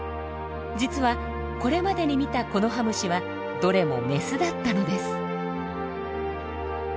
実はこれまでに見たコノハムシはどれもメスだったのです。